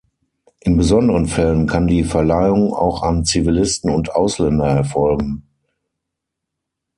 In besonderen Fällen kann die Verleihung auch an Zivilisten und Ausländer erfolgen.